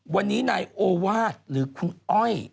วันนี้นายโอวาสหรือคุณอ้อย